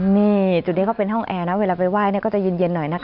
นี่จุดนี้ก็เป็นห้องแอร์นะเวลาไปไหว้ก็จะเย็นหน่อยนะคะ